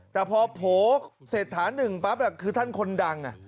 แต่พอโผล่เสร็จถาม๑ป๊ั๊บแหละคือท่านคนนักดัง